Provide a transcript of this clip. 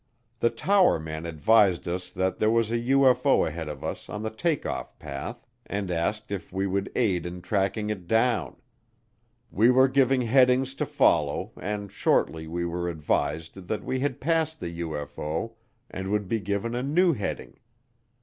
The tower man advised us that there was a UFO ahead of us on the take off path and asked if we would aid in tracking it down. We were given headings to follow and shortly we were advised that we had passed the UFO and would be given a new heading.